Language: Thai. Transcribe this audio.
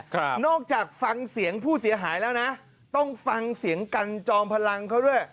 ครับนอกจากฟังเสียงผู้เสียหายแล้วนะต้องฟังเสียงกันจอมพลังเขาด้วย